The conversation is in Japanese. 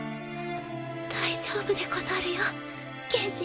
大丈夫でござるよ剣心。